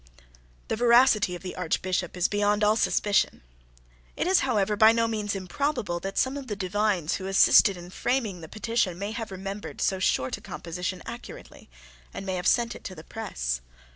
The veracity of the Archbishop is beyond all suspicion. It is, however, by no means improbable that some of the divines who assisted in framing the petition may have remembered so short a composition accurately, and may have sent it to the press.